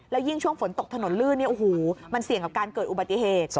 ยิ่งช่วงฝนตกถนนลื่นมันเสี่ยงกับการเกิดอุบัติเหตุ